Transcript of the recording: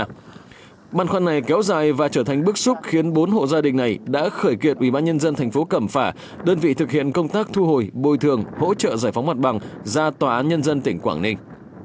triển khai và trở thành bức xúc khiến bốn hộ gia đình này đã khởi kiệt ủy ban nhân dân thành phố cẩm phả đơn vị thực hiện công tác thu hồi bồi thường hỗ trợ giải phóng mặt bằng ra tòa án nhân dân tỉnh quảng ninh